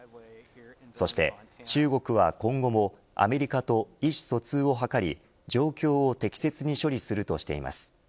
そして、中国は今後もアメリカと意思疎通を図り状況を適切に処理するとしています。